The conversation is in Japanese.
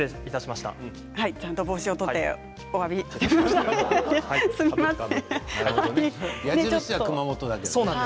ちゃんと帽子を取っておわびします。